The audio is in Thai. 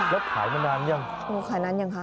แล้วขายมานานยัง๓หมู่ปีแล้วขายนั้นยังคะ